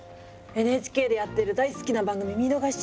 ＮＨＫでやってる大好きな番組見逃しちゃったのよ。